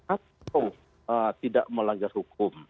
atau tidak melanggar hukum